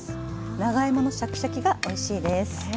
長芋のシャキシャキがおいしいです。ね。